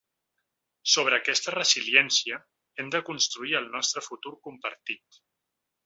Sobre aquesta resiliència hem de construir el nostre futur compartit.